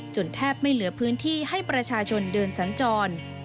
แทบไม่เหลือพื้นที่ให้ประชาชนเดินสัญจร